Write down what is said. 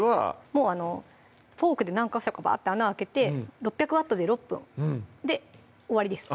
もうフォークで何ヵ所かバッて穴開けて６００Ｗで６分で終わりです